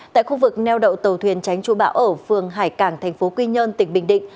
tại khu vực neo đậu tàu thuyền tránh chua bão ở phường hải cảng tp quy nhơn tỉnh bình định